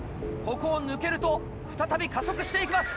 ここを抜けると再び加速して行きます。